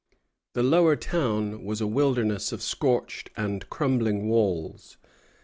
The Lower Town was a wilderness of scorched and crumbling walls.